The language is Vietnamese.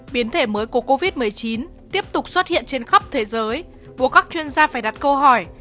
biến thể mới của covid một mươi chín tiếp tục xuất hiện trên khắp thế giới buộc các chuyên gia phải đặt câu hỏi